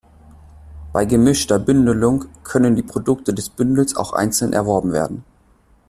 Bei gemischter Bündelung können die Produkte des Bündels auch einzeln erworben werden.